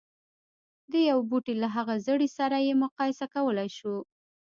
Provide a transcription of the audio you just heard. د يوه بوټي له هغه زړي سره يې مقايسه کولای شو.